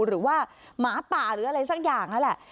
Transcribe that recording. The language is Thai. หรือว่าหมาป่าหรืออะไรสักอย่างนั่นแหละ